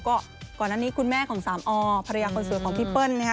ก็ก่อนอันนี้คุณแม่ของสามอภรรยาคนสวยของพี่เปิ้ลนะฮะ